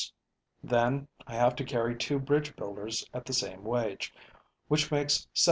Then, I have to carry two bridge builders at the same wage, which makes $72.